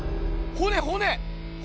骨骨！